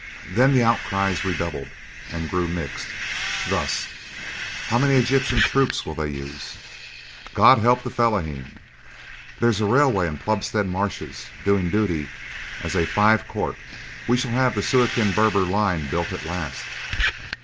Then the outcries redoubled, and grew mixed, thus: "How many Egyptian troops will they use?—God help the Fellaheen!—There's a railway in Plumstead marshes doing duty as a fives court.—We shall have the Suakin Berber line built at last.